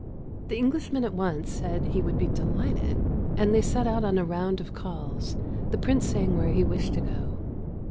The Englishman at once said he would be delighted, and they set out on a round of calls, the Prince saying where he wished to go.